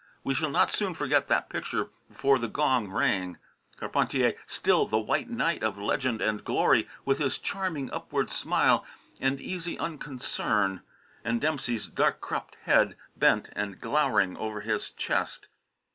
We shall not soon forget that picture before the gong rang: Carpentier, still the White Knight of legend and glory, with his charming upward smile and easy unconcern; and Dempsey's dark cropped head, bent and glowering over his chest.